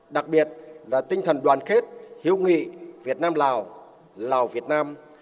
đặc biệt là tinh thần đoàn kết hiếu nghị việt nam lào lào việt nam